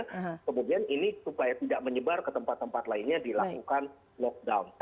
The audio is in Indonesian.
kemudian ini supaya tidak menyebar ke tempat tempat lainnya dilakukan lockdown